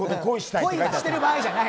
恋はしてる場合じゃない。